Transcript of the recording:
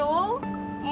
え。